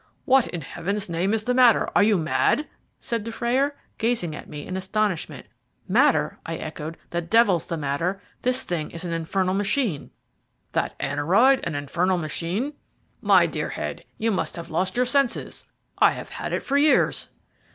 "What in Heaven's name is the matter? Are you mad?" said Dufrayer, gazing at me in astonishment. "Matter!" I echoed, "the devil's the matter. This thing is an infernal machine." "That aneroid an infernal machine? My dear Head, you must have lost your senses. I have had it for years."